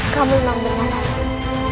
kamu memang benar